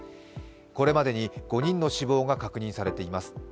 これまでに５人の死亡が確認されています。